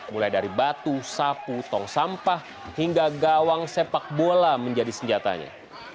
mulai dari batu sapu tong sampah hingga gawang sepak bola menjadi senjatanya